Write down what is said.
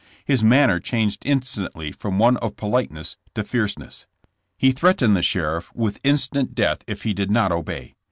His manner changed instantly from one of politeness to fierceness. He threatened the sheriff with instant death if he did not obey.